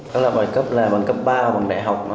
tức là bài cấp ba bằng đại học